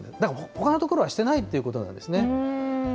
ほかの所はしてないっていうことなんですね。